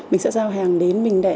mình sẽ giao hàng đến mình để